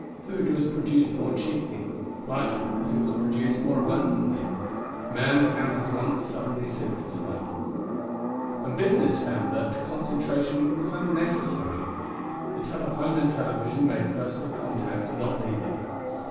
Food was produced more cheaply, largely because it was produced more abundantly. Man found his wants suddenly simplified. And business found that concentration was unnecessary. The telephone and television made personal contacts not needed.